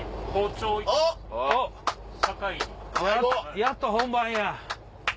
やっと本番や。